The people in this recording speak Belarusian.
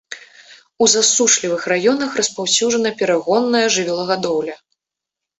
У засушлівых раёнах распаўсюджана перагонная жывёлагадоўля.